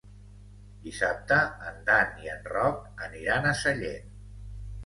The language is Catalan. Dissabte en Dan i en Roc aniran a Sallent.